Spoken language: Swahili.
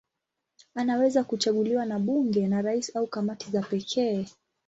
Anaweza kuchaguliwa na bunge, na rais au kamati za pekee.